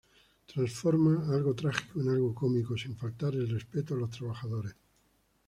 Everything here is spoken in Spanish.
Transforma algo trágico en algo cómico sin faltar el respeto a los trabajadores.